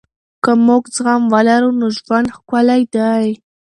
که موږ زغم ولرو نو ژوند ښکلی دی.